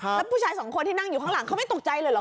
แล้วผู้ชายสองคนที่นั่งอยู่ข้างหลังเขาไม่ตกใจเลยเหรอ